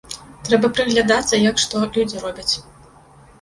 Трэба прыглядацца, як што людзі робяць.